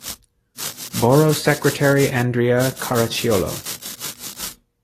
Borough Secretary-Andrea Caracciolo.